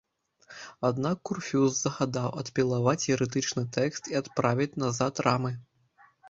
Аднак курфюрст загадаў адпілаваць ерэтычны тэкст і адправіць назад рамы.